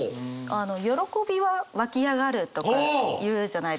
「喜び」は「湧き上がる」とか言うじゃないですか。